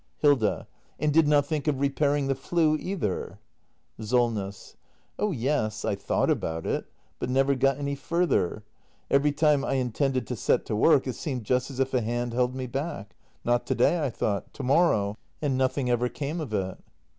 Hilda. And did not think of repairing the flue either ? SOLNESS. Oh yes, I thought about it — but never got any further. Every time I intended to set to work, it seemed just as if a hand held me back. Not to day, I thought — to morrow; and nothing ever came of it.